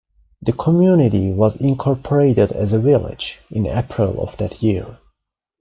The community was incorporated as a village in April of that year.